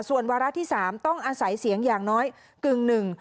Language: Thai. ส่วนวาระที่๓ต้องอาศัยเสียงอย่างน้อยกึ่งหนึ่ง